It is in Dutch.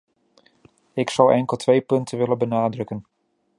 Ik zou enkel twee punten willen benadrukken.